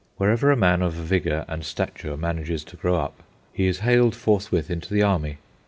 Wherever a man of vigour and stature manages to grow up, he is haled forthwith into the army.